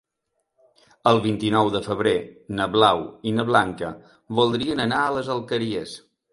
El vint-i-nou de febrer na Blau i na Blanca voldrien anar a les Alqueries.